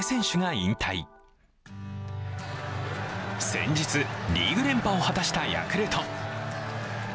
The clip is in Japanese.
先日、リーグ連覇を果たしたヤクルト。